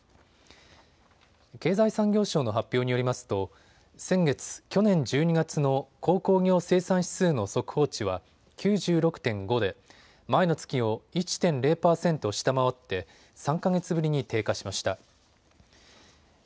経済産業省の発表によりますと先月・去年１２月の鉱工業生産指数の速報値は９６．５で前の月を１．０％下回って、３か月ぶりに低下しました。